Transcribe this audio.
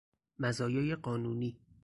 مزایای قانونی